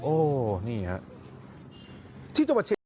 โอ้นี่ครับ